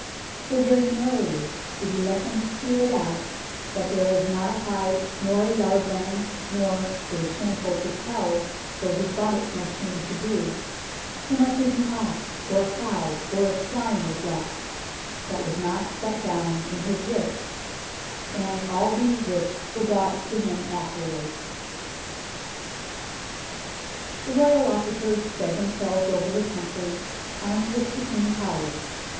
So very narrowly did he let them speir it out that there was not a hide nor a yardland, nor it is shameful to tell, though he thought it no shame to do so much as an ox or a cow or a swine was left, that was not set down in his writ : and all these writs were brought to him afterwards." The Royal Officers spread themselves over the country, armed with supreme powers.